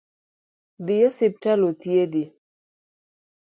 Dhi osiptal othiedhi.